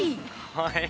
◆はい。